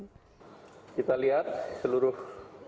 kita lihat seluruh